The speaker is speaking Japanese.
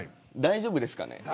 大丈夫ですかね。